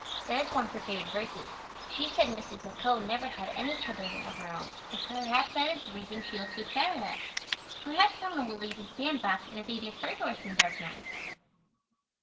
That is one of her favorite verses. She said Mrs. McCoe never had any children of her own and perhaps that is the reason she looks so sad at us. Perhaps some one will leave a bandbox and a baby at her door some dark night.